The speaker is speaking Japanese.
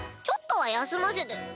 ちょっとは休ませて。